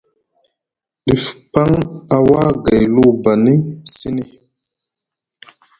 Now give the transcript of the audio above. Dif paŋ a wa gay lubani sini.